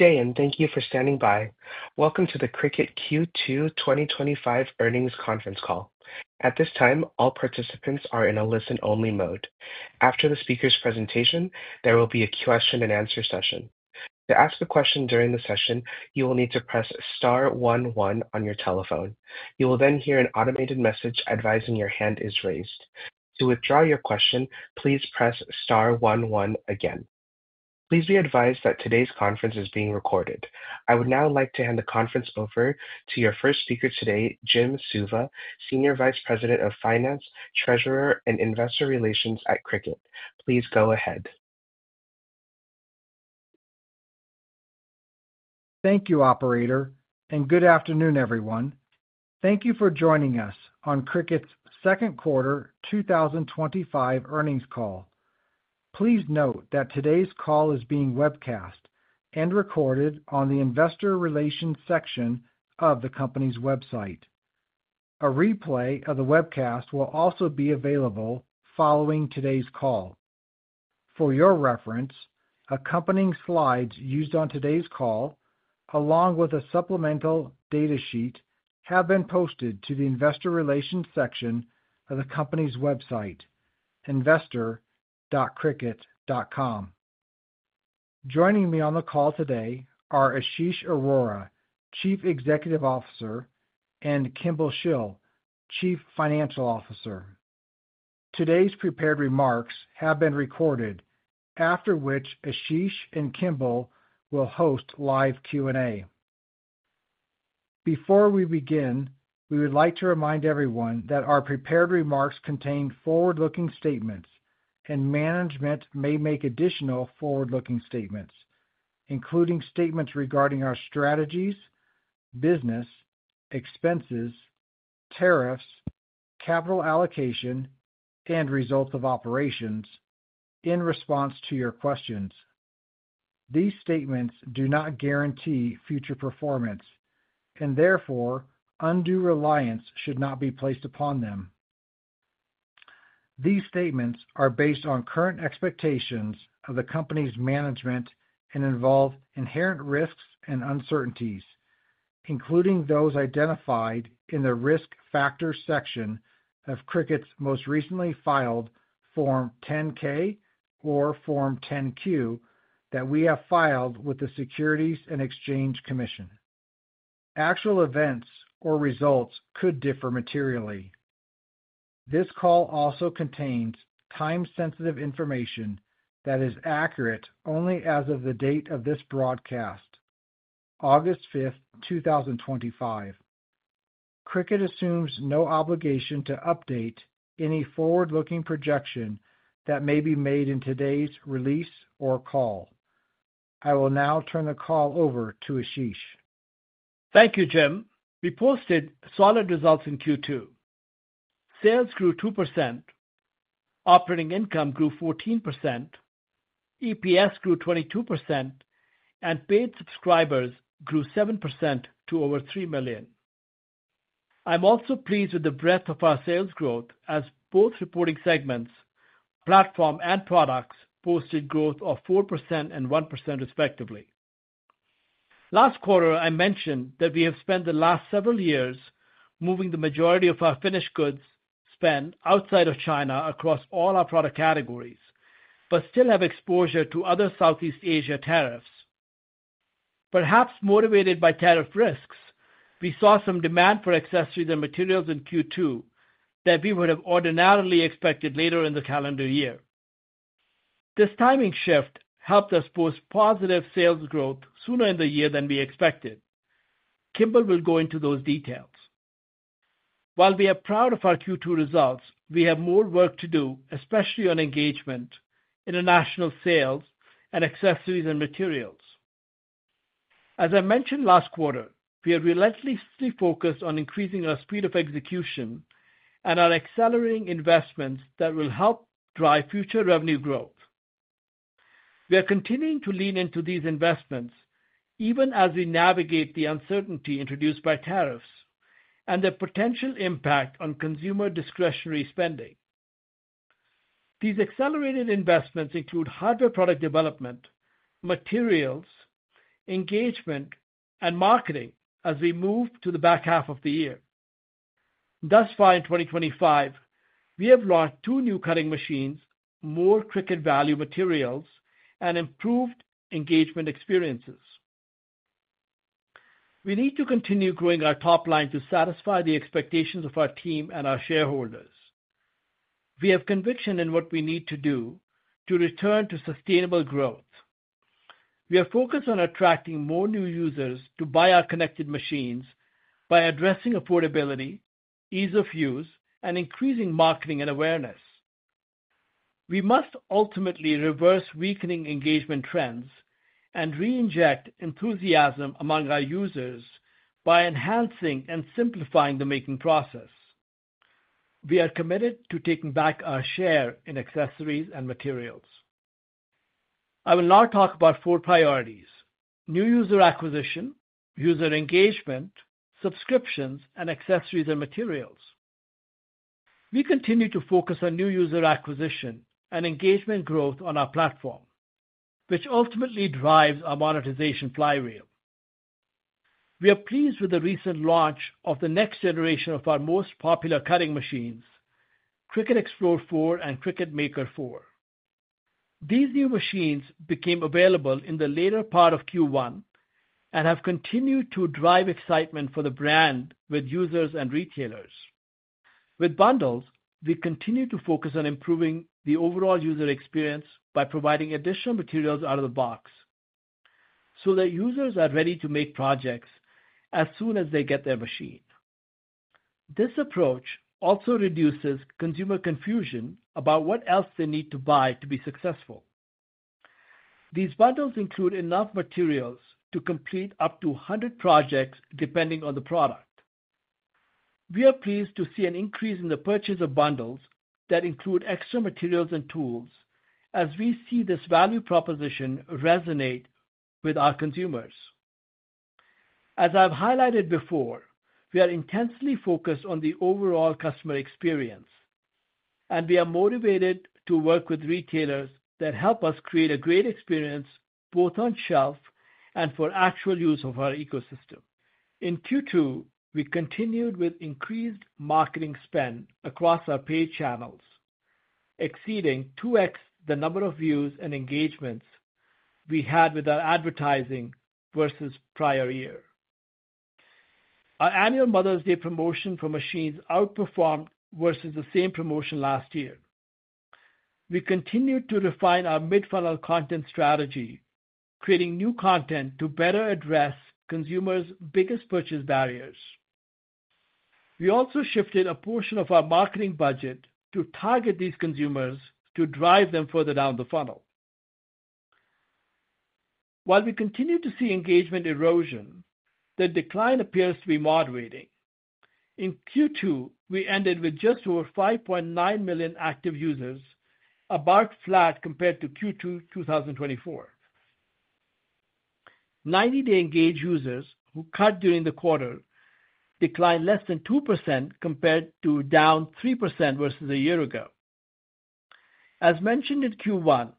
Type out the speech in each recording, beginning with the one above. Good day, and thank you for standing by. Welcome to the Cricut Q2 2025 Earnings Conference Call. At this time, all participants are in a listen-only mode. After the speaker's presentation, there will be a question and answer session. To ask a question during the session, you will need to press star one one on your telephone. You will then hear an automated message advising your hand is raised. To withdraw your question, please press star one one again. Please be advised that today's conference is being recorded. I would now like to hand the conference over to your first speaker today, Jim Suva, Senior Vice President of Finance, Treasurer, and Investor Relations at Cricut. Please go ahead. Thank you, Operator, and good afternoon, everyone. Thank you for joining us on Cricut's Second Quarter 2025 Earnings Call. Please note that today's call is being webcast and recorded on the Investor Relations section of the company's website. A replay of the webcast will also be available following today's call. For your reference, accompanying slides used on today's call, along with a supplemental data sheet, have been posted to the Investor Relations section of the company's website, investor.cricut.com. Joining me on the call today are Ashish Arora, Chief Executive Officer, and Kimball Shill, Chief Financial Officer. Today's prepared remarks have been recorded, after which Ashish and Kimball will host live Q&A. Before we begin, we would like to remind everyone that our prepared remarks contain forward-looking statements, and management may make additional forward-looking statements, including statements regarding our strategies, business, expenses, tariffs, capital allocation, and results of operations in response to your questions. These statements do not guarantee future performance, and therefore, undue reliance should not be placed upon them. These statements are based on current expectations of the company's management and involve inherent risks and uncertainties, including those identified in the Risk Factors section of Cricut's most recently filed Form 10-K or Form 10-Q that we have filed with the Securities and Exchange Commission. Actual events or results could differ materially. This call also contains time-sensitive information that is accurate only as of the date of this broadcast, August 5, 2025. Cricut assumes no obligation to update any forward-looking projection that may be made in today's release or call. I will now turn the call over to Ashish. Thank you, Jim. We posted solid results in Q2. Sales grew 2%, operating income grew 14%, EPS grew 22%, and paid subscribers grew 7% to over 3 million. I'm also pleased with the breadth of our sales growth, as both reporting segments, platform and products, posted growth of 4% and 1% respectively. Last quarter, I mentioned that we have spent the last several years moving the majority of our finished goods spend outside of China across all our product categories, but still have exposure to other Southeast Asia tariffs. Perhaps motivated by tariff risks, we saw some demand for accessories and materials in Q2 that we would have ordinarily expected later in the calendar year. This timing shift helped us post positive sales growth sooner in the year than we expected. Kimball will go into those details. While we are proud of our Q2 results, we have more work to do, especially on engagement, international sales, and accessories and materials. As I mentioned last quarter, we are relentlessly focused on increasing our speed of execution and our accelerating investments that will help drive future revenue growth. We are continuing to lean into these investments even as we navigate the uncertainty introduced by tariffs and their potential impact on consumer discretionary spending. These accelerated investments include hardware product development, materials, engagement, and marketing as we move to the back half of the year. Thus far in 2025, we have launched two new cutting machines, more Cricut value materials, and improved engagement experiences. We need to continue growing our top line to satisfy the expectations of our team and our shareholders. We have conviction in what we need to do to return to sustainable growth. We are focused on attracting more new users to buy our connected machines by addressing affordability, ease of use, and increasing marketing and awareness. We must ultimately reverse weakening engagement trends and re-inject enthusiasm among our users by enhancing and simplifying the making process. We are committed to taking back our share in accessories and materials. I will now talk about four priorities: new user acquisition, user engagement, subscriptions, and accessories and materials. We continue to focus on new user acquisition and engagement growth on our platform, which ultimately drives our monetization flywheel. We are pleased with the recent launch of the next generation of our most popular cutting machines, Cricut Explore 4 and Cricut Maker 4. These new machines became available in the later part of Q1 and have continued to drive excitement for the brand with users and retailers. With bundles, we continue to focus on improving the overall user experience by providing additional materials out of the box so that users are ready to make projects as soon as they get their machine. This approach also reduces consumer confusion about what else they need to buy to be successful. These bundles include enough materials to complete up to 100 projects depending on the product. We are pleased to see an increase in the purchase of bundles that include extra materials and tools as we see this value proposition resonate with our consumers. As I've highlighted before, we are intensely focused on the overall customer experience, and we are motivated to work with retailers that help us create a great experience both on shelf and for actual use of our ecosystem. In Q2, we continued with increased marketing spend across our paid channels, exceeding 2x the number of views and engagements we had with our advertising versus prior year. Our annual Mother's Day promotion for machines outperformed versus the same promotion last year. We continued to refine our mid-funnel content strategy, creating new content to better address consumers' biggest purchase barriers. We also shifted a portion of our marketing budget to target these consumers to drive them further down the funnel. While we continue to see engagement erosion, the decline appears to be moderating. In Q2, we ended with just over 5.9 million active users, a marked flat compared to Q2 2024. 90-day engaged users who cut during the quarter declined less than 2% compared to down 3% versus a year ago. As mentioned in Q1,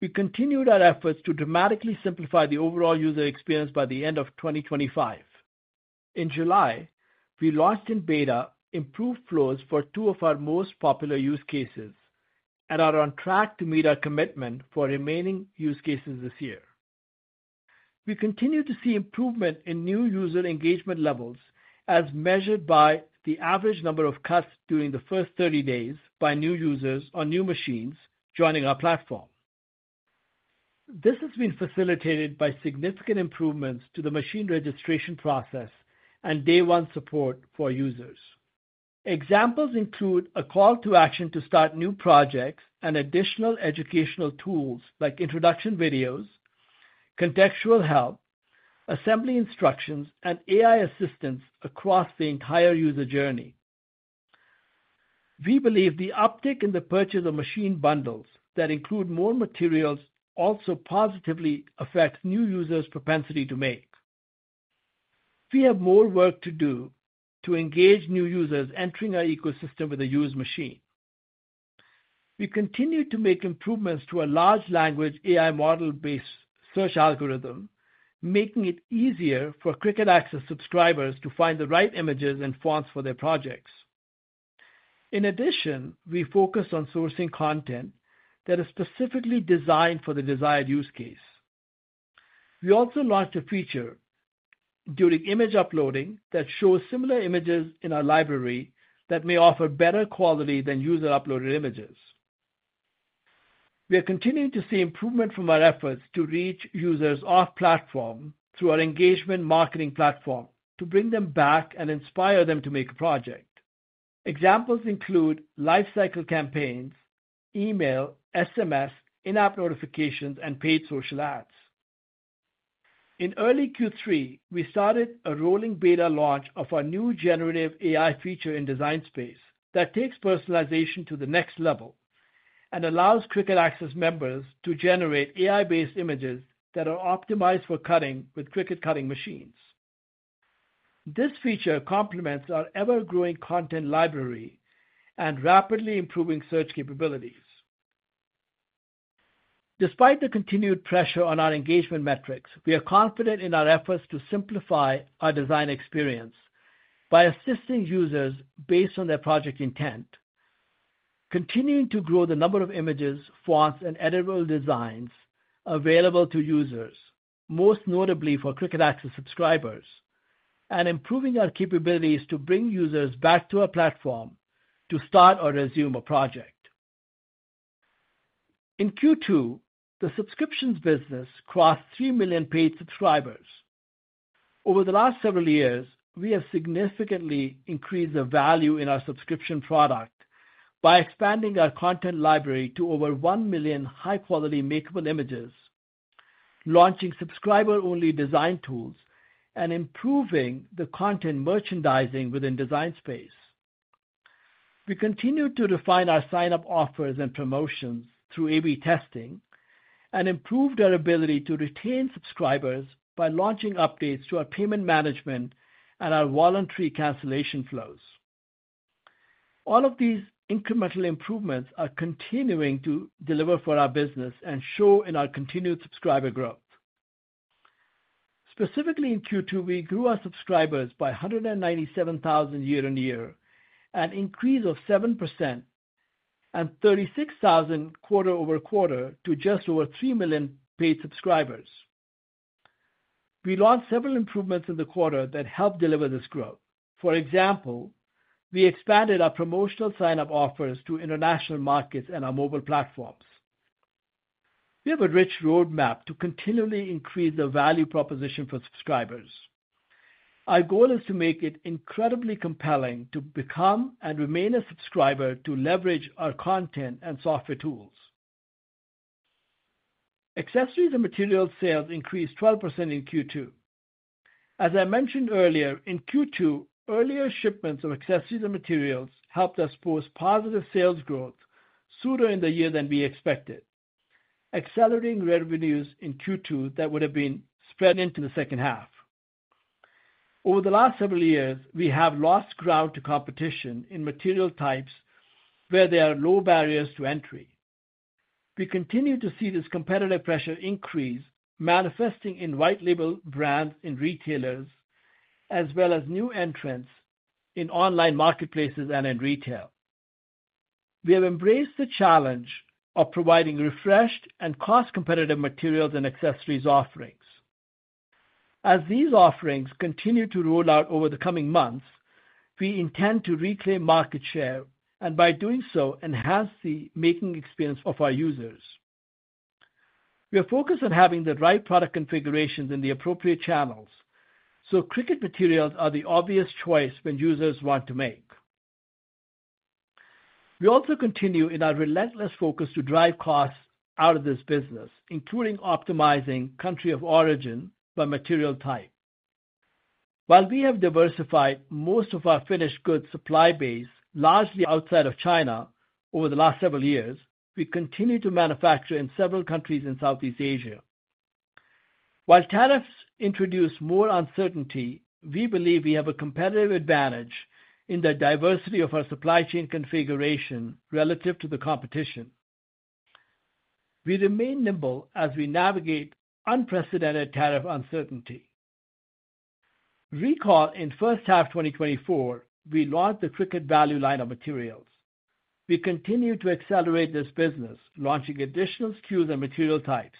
we continued our efforts to dramatically simplify the overall user experience by the end of 2025. In July, we launched in beta improved flows for two of our most popular use cases and are on track to meet our commitment for remaining use cases this year. We continue to see improvement in new user engagement levels as measured by the average number of cuts during the first 30 days by new users on new machines joining our platform. This has been facilitated by significant improvements to the machine registration process and day-one support for users. Examples include a call to action to start new projects and additional educational tools like introduction videos, contextual help, assembly instructions, and AI assistance across the entire user journey. We believe the uptick in the purchase of machine bundles that include more materials also positively affects new users' propensity to make. We have more work to do to engage new users entering our ecosystem with a used machine. We continue to make improvements to our large language AI model-based search algorithm, making it easier for Cricut Access subscribers to find the right images and fonts for their projects. In addition, we focus on sourcing content that is specifically designed for the desired use case. We also launched a feature during image uploading that shows similar images in our library that may offer better quality than user-uploaded images. We are continuing to see improvement from our efforts to reach users off-platform through our engagement marketing platform to bring them back and inspire them to make a project. Examples include lifecycle campaigns, email, SMS, in-app notifications, and paid social ads. In early Q3, we started a rolling beta launch of our new generative AI feature in Design Space that takes personalization to the next level and allows Cricut Access members to generate AI-based images that are optimized for cutting with Cricut cutting machines. This feature complements our ever-growing content library and rapidly improving search capabilities. Despite the continued pressure on our engagement metrics, we are confident in our efforts to simplify our design experience by assisting users based on their project intent, continuing to grow the number of images, fonts, and editable designs available to users, most notably for Cricut Access subscribers, and improving our capabilities to bring users back to our platform to start or resume a project. In Q2, the subscriptions business crossed 3 million paid subscribers. Over the last several years, we have significantly increased the value in our subscription product by expanding our content library to over 1 million high-quality makable images, launching subscriber-only design tools, and improving the content merchandising within Design Space. We continue to refine our sign-up offers and promotions through A/B testing and improve their ability to retain subscribers by launching updates to our payment management and our voluntary cancellation flows. All of these incremental improvements are continuing to deliver for our business and show in our continued subscriber growth. Specifically, in Q2, we grew our subscribers by 197,000 year-on-year, an increase of 7%, and 36,000 quarter-over-quarter to just over 3 million paid subscribers. We launched several improvements in the quarter that helped deliver this growth. For example, we expanded our promotional sign-up offers to international markets and our mobile platforms. We have a rich roadmap to continually increase the value proposition for subscribers. Our goal is to make it incredibly compelling to become and remain a subscriber to leverage our content and software tools. Accessories and materials sales increased 12% in Q2. As I mentioned earlier, in Q2, earlier shipments of accessories and materials helped us post positive sales growth sooner in the year than we expected, accelerating revenues in Q2 that would have been spread into the second half. Over the last several years, we have lost ground to competition in material types where there are low barriers to entry. We continue to see this competitive pressure increase, manifesting in white-label brands in retailers, as well as new entrants in online marketplaces and in retail. We have embraced the challenge of providing refreshed and cost-competitive materials and accessories offerings. As these offerings continue to roll out over the coming months, we intend to reclaim market share and, by doing so, enhance the making experience of our users. We are focused on having the right product configurations in the appropriate channels, so Cricut materials are the obvious choice when users want to make. We also continue in our relentless focus to drive costs out of this business, including optimizing country of origin by material type. While we have diversified most of our finished goods supply base largely outside of China over the last several years, we continue to manufacture in several countries in Southeast Asia. While tariffs introduce more uncertainty, we believe we have a competitive advantage in the diversity of our supply chain configuration relative to the competition. We remain nimble as we navigate unprecedented tariff uncertainty. Recall in first half 2024, we launched the Cricut value materials line. We continue to accelerate this business, launching additional SKUs and material types.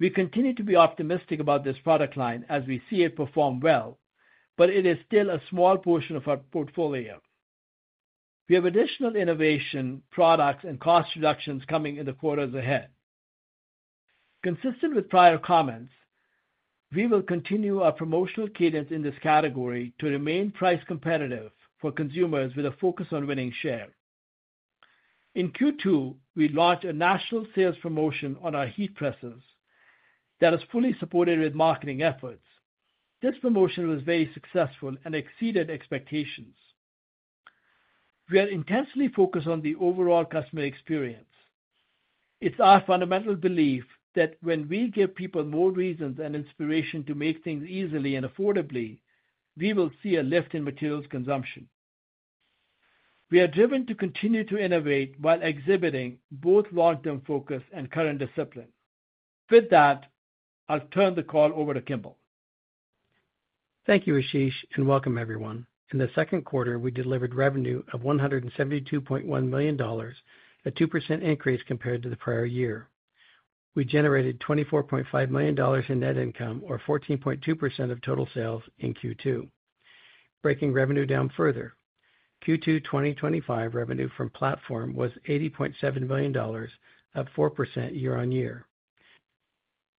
We continue to be optimistic about this product line as we see it perform well, but it is still a small portion of our portfolio. We have additional innovation products and cost reductions coming in the quarters ahead. Consistent with prior comments, we will continue our promotional cadence in this category to remain price-competitive for consumers with a focus on winning share. In Q2, we launched a national sales promotion on our heat presses that is fully supported with marketing efforts. This promotion was very successful and exceeded expectations. We are intensely focused on the overall customer experience. It's our fundamental belief that when we give people more reasons and inspiration to make things easily and affordably, we will see a lift in materials consumption. We are driven to continue to innovate while exhibiting both long-term focus and current discipline. With that, I'll turn the call over to Kimball. Thank you, Ashish, and welcome, everyone. In the second quarter, we delivered revenue of $172.1 million, a 2% increase compared to the prior year. We generated $24.5 million in net income, or 14.2% of total sales in Q2. Breaking revenue down further, Q2 2025 revenue from platform was $80.7 million, up 4% year-on-year.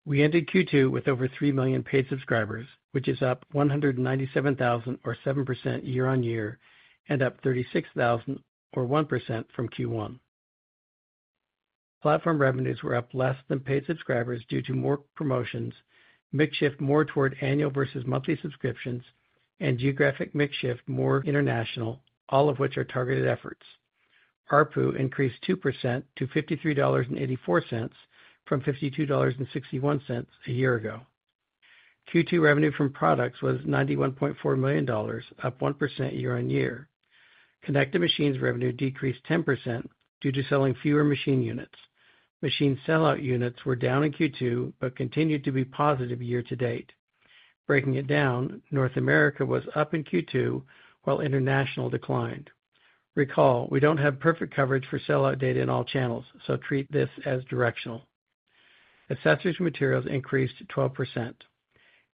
We ended Q2 with over 3 million paid subscribers, which is up $197,000, or 7% year-on-year, and up $36,000, or 1% from Q1. Platform revenues were up less than paid subscribers due to more promotions, a makeshift more toward annual versus monthly subscriptions, and a geographic makeshift more international, all of which are targeted efforts. ARPU increased 2% to $53.84 from $52.61 a year ago. Q2 revenue from products was $91.4 million, up 1% year-on-year. Connected machines revenue decreased 10% due to selling fewer machine units. Machine sellout units were down in Q2 but continued to be positive year to date. Breaking it down, North America was up in Q2, while international declined. Recall, we don't have perfect coverage for sell-out data in all channels, so treat this as directional. Accessories and materials increased 12%.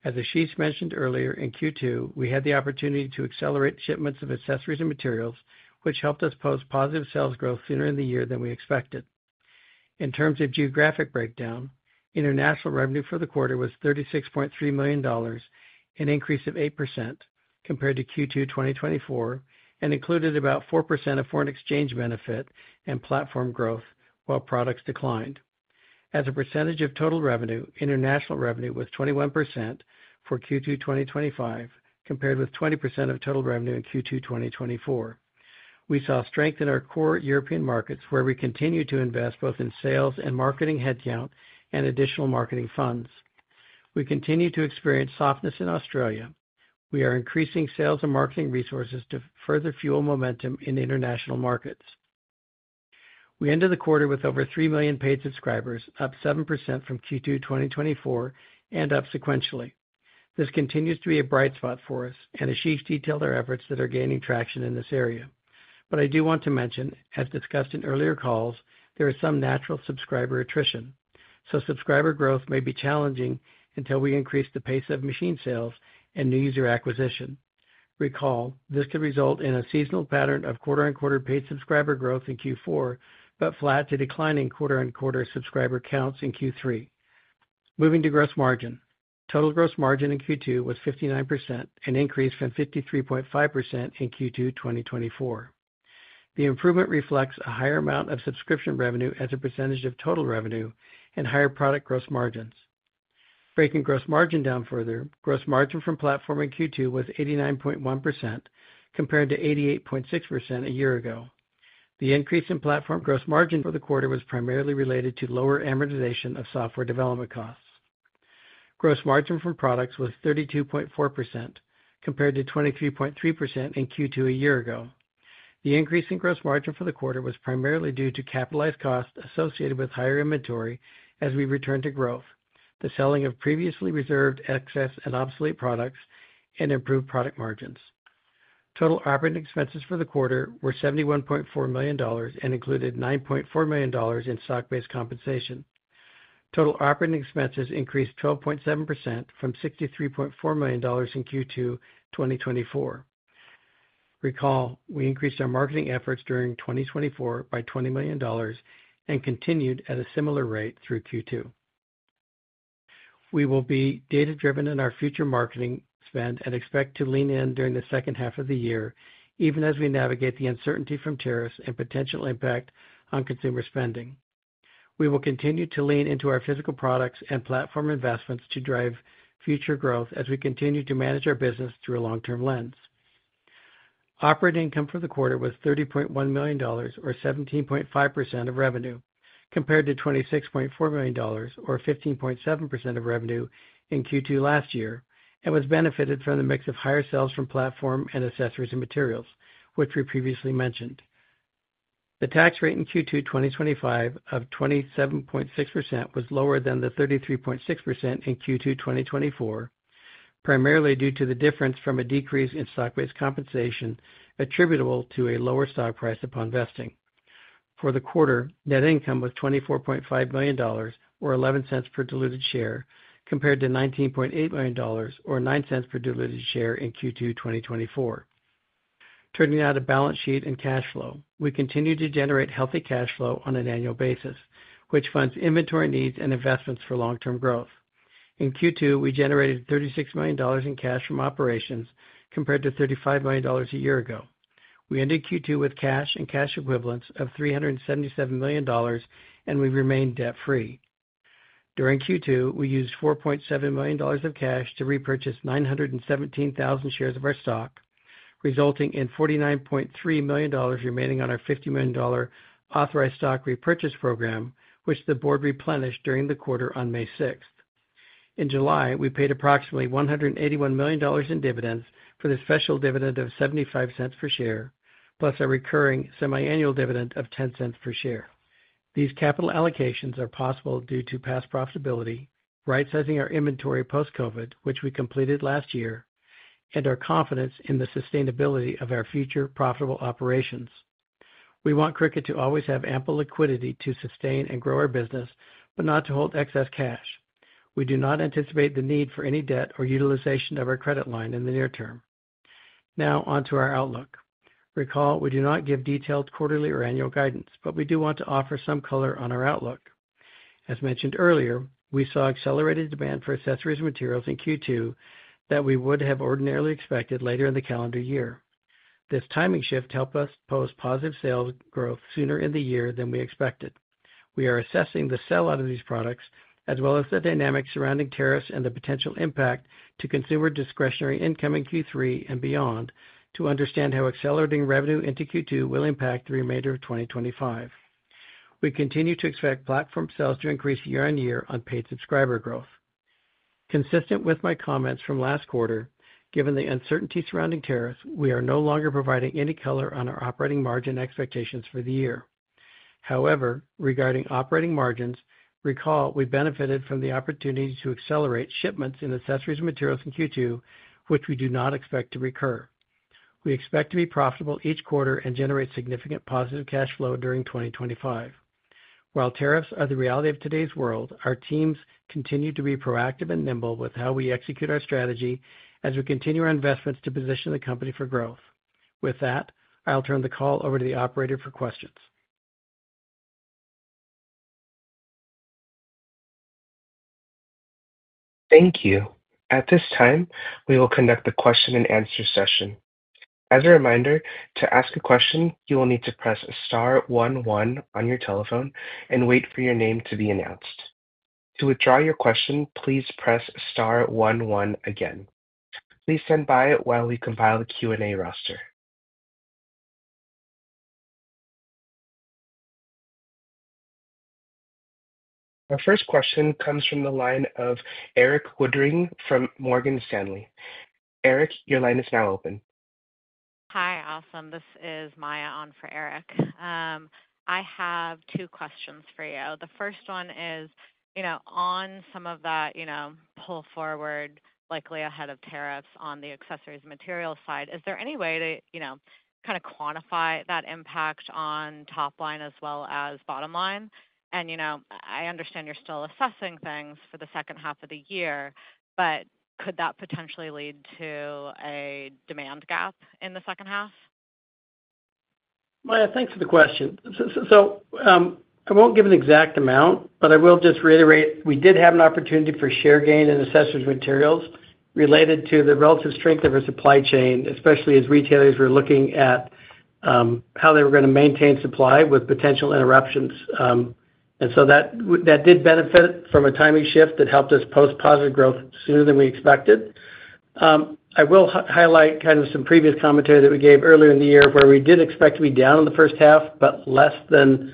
As Ashish mentioned earlier, in Q2, we had the opportunity to accelerate shipments of accessories and materials, which helped us post positive sales growth sooner in the year than we expected. In terms of geographic breakdown, international revenue for the quarter was $36.3 million, an increase of 8% compared to Q2 2024, and included about 4% of foreign exchange benefit and platform growth, while products declined. As a percentage of total revenue, international revenue was 21% for Q2 2025 compared with 20% of total revenue in Q2 2024. We saw strength in our core European markets where we continue to invest both in sales and marketing headcount and additional marketing funds. We continue to experience softness in Australia. We are increasing sales and marketing resources to further fuel momentum in international markets. We ended the quarter with over 3 million paid subscribers, up 7% from Q2 2024, and up sequentially. This continues to be a bright spot for us, and Ashish detailed our efforts that are gaining traction in this area. I do want to mention, as discussed in earlier calls, there is some natural subscriber attrition, so subscriber growth may be challenging until we increase the pace of machine sales and new user acquisition. Recall, this could result in a seasonal pattern of quarter-on-quarter paid subscriber growth in Q4, but flat to declining quarter-on-quarter subscriber counts in Q3. Moving to gross margin, total gross margin in Q2 was 59%, an increase from 53.5% in Q2 2024. The improvement reflects a higher amount of subscription revenue as a percentage of total revenue and higher product gross margins. Breaking gross margin down further, gross margin from platform in Q2 was 89.1% compared to 88.6% a year ago. The increase in platform gross margin for the quarter was primarily related to lower amortization of software development costs. Gross margin from products was 32.4% compared to 23.3% in Q2 a year ago. The increase in gross margin for the quarter was primarily due to capitalized costs associated with higher inventory as we returned to growth, the selling of previously reserved excess and obsolete products, and improved product margins. Total operating expenses for the quarter were $71.4 million and included $9.4 million in stock-based compensation. Total operating expenses increased 12.7% from $63.4 million in Q2 2024. Recall, we increased our marketing efforts during 2024 by $20 million and continued at a similar rate through Q2. We will be data-driven in our future marketing spend and expect to lean in during the second half of the year, even as we navigate the uncertainty from tariffs and potential impact on consumer spending. We will continue to lean into our physical products and platform investments to drive future growth as we continue to manage our business through a long-term lens. Operating income for the quarter was $30.1 million, or 17.5% of revenue, compared to $26.4 million, or 15.7% of revenue in Q2 last year, and was benefited from the mix of higher sales from platform and accessories and materials, which we previously mentioned. The tax rate in Q2 2025 of 27.6% was lower than the 33.6% in Q2 2024, primarily due to the difference from a decrease in stock-based compensation attributable to a lower stock price upon vesting. For the quarter, net income was $24.5 million, or $0.11 per diluted share, compared to $19.8 million, or $0.09 per diluted share in Q2 2024. Turning to our balance sheet and cash flow, we continue to generate healthy cash flow on an annual basis, which funds inventory needs and investments for long-term growth. In Q2, we generated $36 million in cash from operations, compared to $35 million a year ago. We ended Q2 with cash and cash equivalents of $377 million, and we've remained debt-free. During Q2, we used $4.7 million of cash to repurchase 917,000 shares of our stock, resulting in $49.3 million remaining on our $50 million authorized stock repurchase program, which the board replenished during the quarter on May 6. In July, we paid approximately $181 million in dividends for the special dividend of $0.75 per share, plus a recurring semi-annual dividend of $0.10 per share. These capital allocations are possible due to past profitability, right-sizing our inventory post-COVID, which we completed last year, and our confidence in the sustainability of our future profitable operations. We want Cricut to always have ample liquidity to sustain and grow our business, but not to hold excess cash. We do not anticipate the need for any debt or utilization of our credit line in the near term. Now onto our outlook. Recall, we do not give detailed quarterly or annual guidance, but we do want to offer some color on our outlook. As mentioned earlier, we saw accelerated demand for accessories and materials in Q2 that we would have ordinarily expected later in the calendar year. This timing shift helped us post positive sales growth sooner in the year than we expected. We are assessing the sell-out of these products, as well as the dynamics surrounding tariffs and the potential impact to consumer discretionary income in Q3 and beyond, to understand how accelerating revenue into Q2 will impact the remainder of 2025. We continue to expect platform sales to increase year-on-year on paid subscriber growth. Consistent with my comments from last quarter, given the uncertainty surrounding tariffs, we are no longer providing any color on our operating margin expectations for the year. However, regarding operating margins, recall, we benefited from the opportunity to accelerate shipments in accessories and materials in Q2, which we do not expect to recur. We expect to be profitable each quarter and generate significant positive cash flow during 2025. While tariffs are the reality of today's world, our teams continue to be proactive and nimble with how we execute our strategy as we continue our investments to position the company for growth. With that, I'll turn the call over to the operator for questions. Thank you. At this time, we will conduct the question and answer session. As a reminder, to ask a question, you will need to press star one one on your telephone and wait for your name to be announced. To withdraw your question, please press star one one again. Please stand by while we compile the Q&A roster. Our first question comes from the line of Erik Woodring from Morgan Stanley. Erik, your line is now open. Hi, awesome. This is Maya on for Eric. I have two questions for you. The first one is, on some of that pull forward, likely ahead of tariffs on the accessories and materials side, is there any way to quantify that impact on top line as well as bottom line? I understand you're still assessing things for the second half of the year, but could that potentially lead to a demand gap in the second half? Maya, thanks for the question. I won't give an exact amount, but I will just reiterate we did have an opportunity for share gain in accessories and materials related to the relative strength of our supply chain, especially as retailers were looking at how they were going to maintain supply with potential interruptions. That did benefit from a timing shift that helped us post positive growth sooner than we expected. I will highlight kind of some previous commentary that we gave earlier in the year where we did expect to be down in the first half, but less than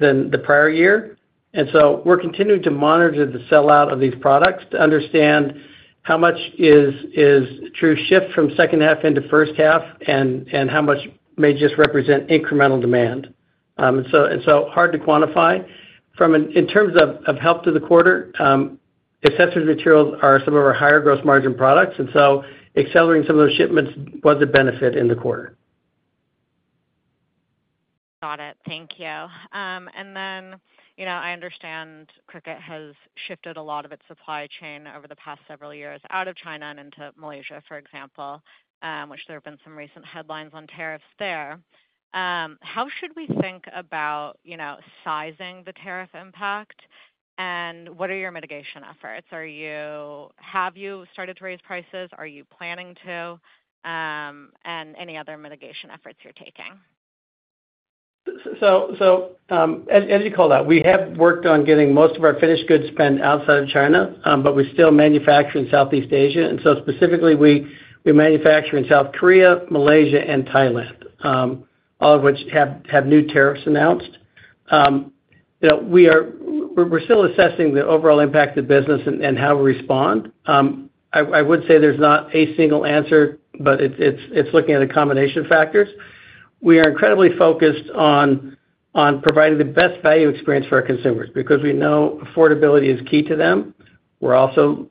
the prior year. We're continuing to monitor the sell-out of these products to understand how much is true shift from second half into first half and how much may just represent incremental demand. It is hard to quantify. In terms of help to the quarter, accessories and materials are some of our higher gross margin products, and accelerating some of those shipments was a benefit in the quarter. Got it. Thank you. I understand Cricut has shifted a lot of its supply chain over the past several years out of China and into Malaysia, for example, which there have been some recent headlines on tariffs there. How should we think about sizing the tariff impact, and what are your mitigation efforts? Have you started to raise prices? Are you planning to, and any other mitigation efforts you're taking? As you call that, we have worked on getting most of our finished goods spend outside of China, but we still manufacture in Southeast Asia. Specifically, we manufacture in South Korea, Malaysia, and Thailand, all of which have new tariffs announced. We're still assessing the overall impact to the business and how we respond. I would say there's not a single answer, but it's looking at a combination of factors. We are incredibly focused on providing the best value experience for our consumers because we know affordability is key to them. We're also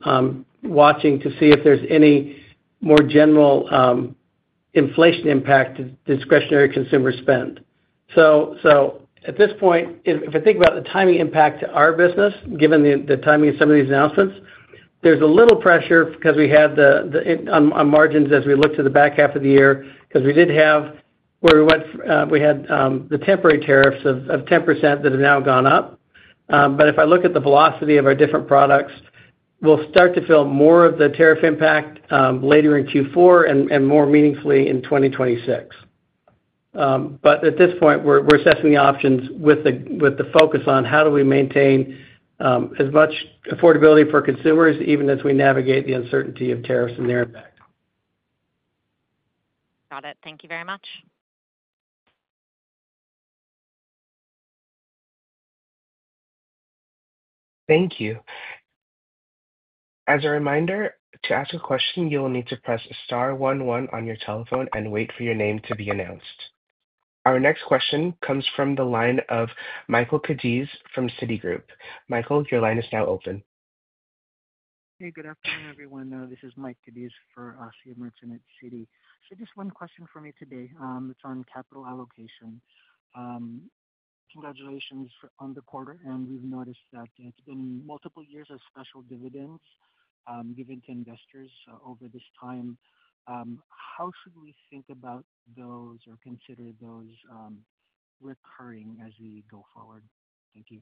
watching to see if there's any more general inflation impact to discretionary consumer spend. At this point, if I think about the timing impact to our business, given the timing of some of these announcements, there's a little pressure because we had the margins as we look to the back half of the year because we did have, where we went, we had the temporary tariffs of 10% that have now gone up. If I look at the velocity of our different products, we'll start to feel more of the tariff impact later in Q4 and more meaningfully in 2026. At this point, we're assessing the options with the focus on how do we maintain as much affordability for consumers even as we navigate the uncertainty of tariffs and their impact. Got it. Thank you very much. Thank you. As a reminder, to ask a question, you will need to press star one one on your telephone and wait for your name to be announced. Our next question comes from the line of Michael Cadiz from Citi Group. Michael, your line is now open. Hey, good afternoon, everyone. This is Mike Cadiz for Ossie & Merchant at Citi. Just one question for me today. It's on capital allocation. Congratulations on the quarter, and we've noticed that it's been multiple years of special dividends given to investors over this time. How should we think about those or consider those recurring as we go forward? Thank you.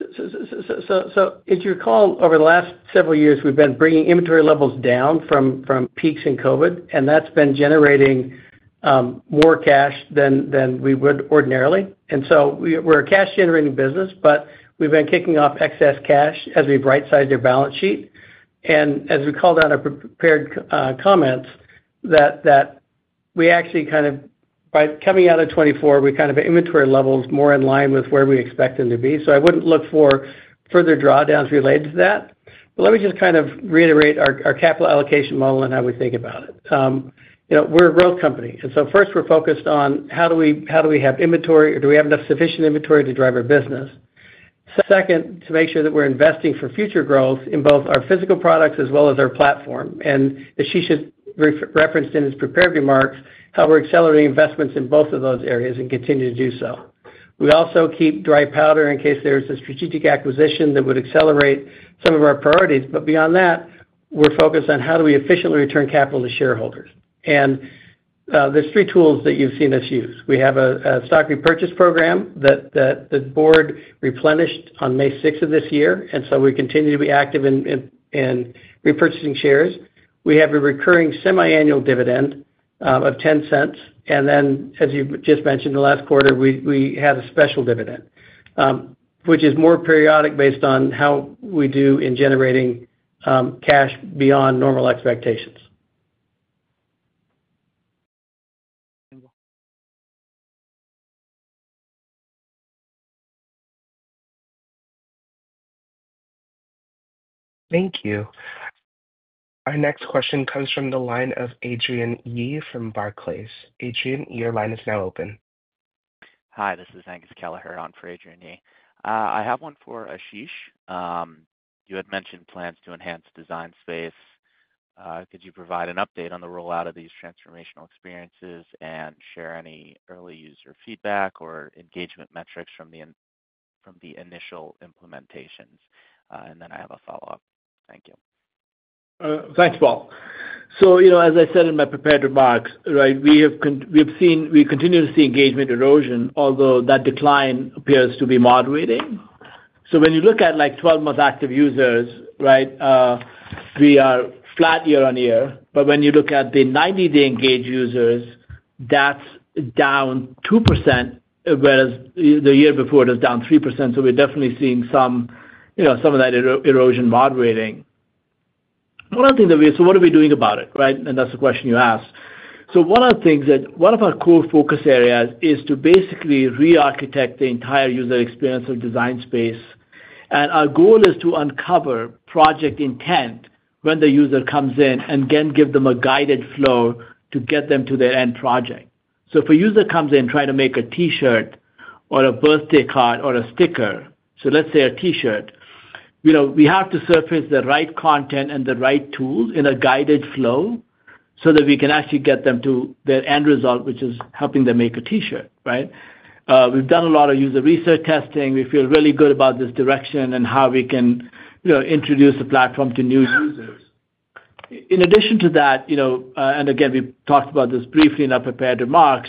As you recall, over the last several years, we've been bringing inventory levels down from peaks in COVID, and that's been generating more cash than we would ordinarily. We're a cash-generating business, but we've been kicking off excess cash as we've right-sized our balance sheet. As we called out in our prepared comments, by coming out of 2024, we have inventory levels more in line with where we expect them to be. I wouldn't look for further drawdowns related to that. Let me reiterate our capital allocation model and how we think about it. We're a growth company. First, we're focused on how do we have inventory or do we have enough sufficient inventory to drive our business. Second, to make sure that we're investing for future growth in both our physical products as well as our platform. As Ashish Arora referenced in his prepared remarks, we're accelerating investments in both of those areas and continue to do so. We also keep dry powder in case there's a strategic acquisition that would accelerate some of our priorities. Beyond that, we're focused on how do we efficiently return capital to shareholders. There are three tools that you've seen us use. We have a stock repurchase program that the board replenished on May 6, 2024. We continue to be active in repurchasing shares. We have a recurring semi-annual dividend of $0.10. As you just mentioned, in the last quarter, we had a special dividend, which is more periodic based on how we do in generating cash beyond normal expectations. Thank you. Our next question comes from the line of Adrian Yee from Barclays. Adrian Yee, your line is now open. Hi, this is Angus Kelleher on for Adrian Yee. I have one for Ashish. You had mentioned plans to enhance Design Space. Could you provide an update on the rollout of these transformational experiences and share any early user feedback or engagement metrics from the initial implementations? I have a follow-up. Thank you. Thanks, Paul. As I said in my prepared remarks, we have seen, we continue to see engagement erosion, although that decline appears to be moderating. When you look at 12-month active users, we are flat year on year. When you look at the 90-day engaged users, that's down 2%, whereas the year before it was down 3%. We're definitely seeing some of that erosion moderating. One other thing that we are, what are we doing about it, right? That's the question you asked. One of our core focus areas is to basically re-architect the entire user experience of Design Space. Our goal is to uncover project intent when the user comes in and then give them a guided flow to get them to their end project. If a user comes in trying to make a t-shirt or a birthday card or a sticker, let's say a t-shirt, we have to surface the right content and the right tools in a guided flow so that we can actually get them to their end result, which is helping them make a t-shirt. We've done a lot of user research testing. We feel really good about this direction and how we can introduce the platform to new users. In addition to that, we talked about this briefly in our prepared remarks,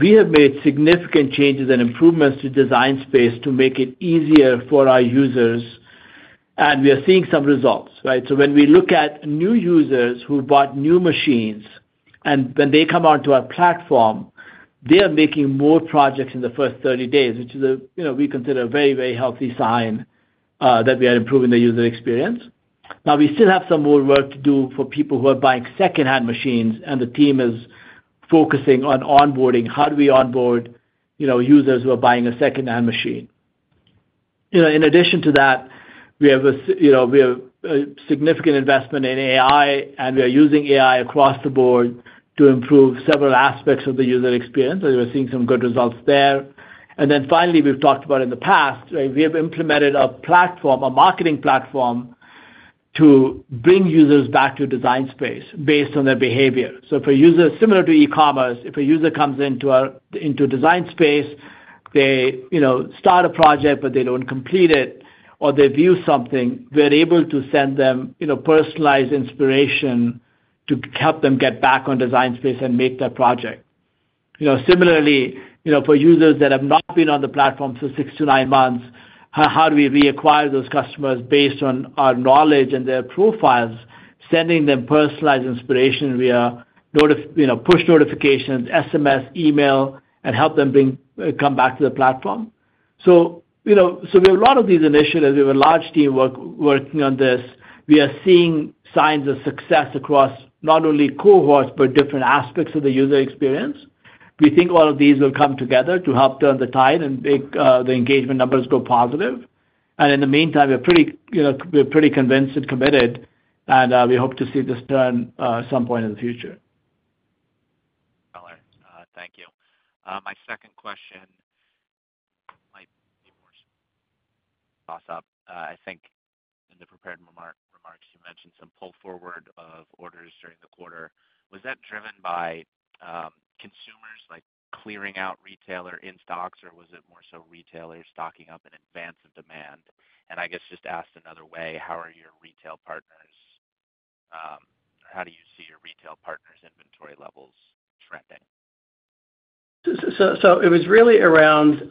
we have made significant changes and improvements to Design Space to make it easier for our users. We are seeing some results. When we look at new users who bought new machines, and when they come onto our platform, they are making more projects in the first 30 days, which is a very, very healthy sign that we are improving the user experience. We still have some more work to do for people who are buying second-hand machines, and the team is focusing on onboarding. How do we onboard users who are buying a second-hand machine? In addition to that, we have a significant investment in AI, and we are using AI across the board to improve several aspects of the user experience. We're seeing some good results there. Finally, we've talked about in the past, we have implemented a marketing platform to bring users back to Design Space based on their behavior. For users similar to e-commerce, if a user comes into our Design Space, they start a project, but they don't complete it, or they view something, we're able to send them personalized inspiration to help them get back on Design Space and make that project. Similarly, for users that have not been on the platform for six to nine months, how do we reacquire those customers based on our knowledge and their profiles, sending them personalized inspiration via push notifications, SMS, email, and help them come back to the platform? We have a lot of these initiatives. We have a large team working on this. We are seeing signs of success across not only cohorts, but different aspects of the user experience. We think all of these will come together to help turn the tide and make the engagement numbers go positive. In the meantime, we're pretty convinced and committed, and we hope to see this turn at some point in the future. Thank you. My second question might be more toss-up. I think in the prepared remarks, you mentioned some pull forward of orders during the quarter. Was that driven by consumers, like clearing out retailer in-stocks, or was it more so retailers stocking up in advance of demand? I guess just asked another way, how are your retail partners, how do you see your retail partners' inventory levels trending? It was really around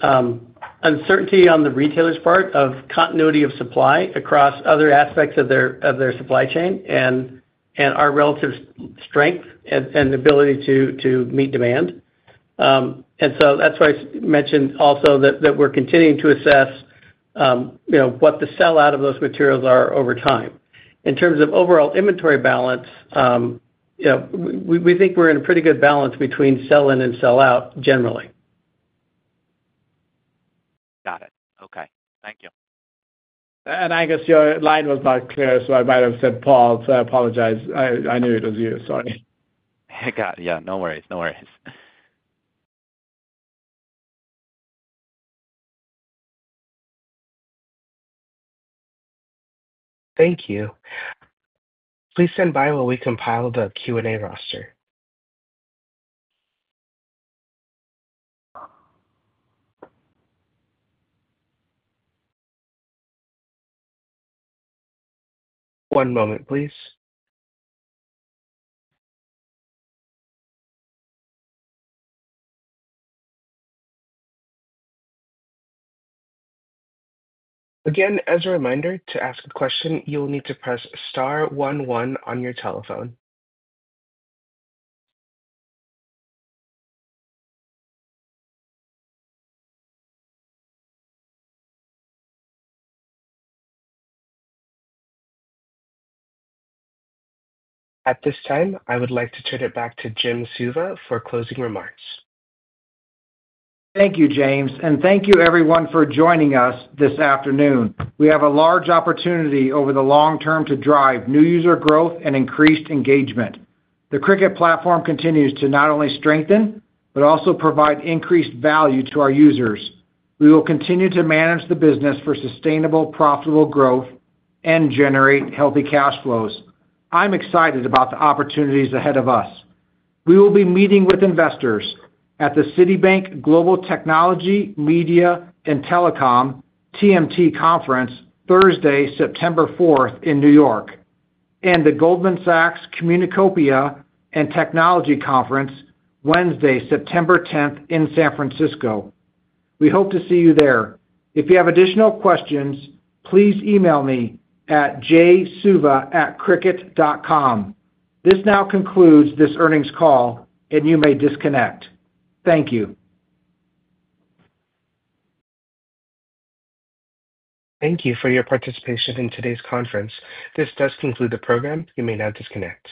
uncertainty on the retailer's part of continuity of supply across other aspects of their supply chain and our relative strength and ability to meet demand. That's why I mentioned also that we're continuing to assess, you know, what the sell-out of those materials are over time. In terms of overall inventory balance, we think we're in a pretty good balance between sell-in and sell-out generally. Got it. Okay, thank you. I guess your line was not clear, so I might have said Paul. I apologize. I knew it was you. Sorry. No worries. No worries. Thank you. Please stand by while we compile the Q&A roster. One moment, please. Again, as a reminder, to ask a question, you will need to press star one one on your telephone. At this time, I would like to turn it back to Jim Suva for closing remarks. Thank you, James, and thank you, everyone, for joining us this afternoon. We have a large opportunity over the long term to drive new user growth and increased engagement. The Cricut platform continues to not only strengthen, but also provide increased value to our users. We will continue to manage the business for sustainable, profitable growth and generate healthy cash flows. I'm excited about the opportunities ahead of us. We will be meeting with investors at the Citibank Global Technology, Media, and Telecom (TMT) Conference, Thursday, September 4, in New York, and the Goldman Sachs Communicopia and Technology Conference, Wednesday, September 10, in San Francisco. We hope to see you there. If you have additional questions, please email me at jsuva@cricut.com. This now concludes this earnings call, and you may disconnect. Thank you. Thank you for your participation in today's conference. This does conclude the program. You may now disconnect.